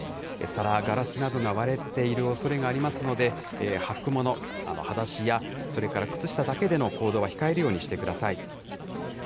皿、ガラスなどが割れているおそれがありますので、履く物、はだしや、それから靴下だけでの行動は控えるようにしてください。